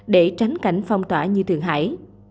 để tránh cảnh phong tỏa như thượng hải